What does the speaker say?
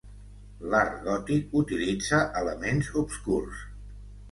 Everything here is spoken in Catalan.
L'art gòtic utilitza elements obscurs.